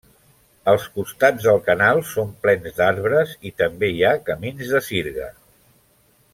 Els costats del canal són plens d'arbres i també hi ha camins de sirga.